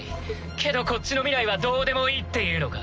けどこっちの未来はどうでもいいっていうのか？